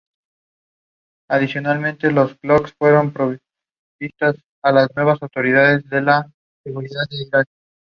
Estudió letras y profesorado de historia.